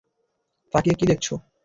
তাকিয়ে কি দেখছো?